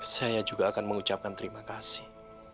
saya juga akan mengucapkan terima kasih